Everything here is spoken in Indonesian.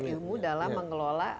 ilmu dalam mengelola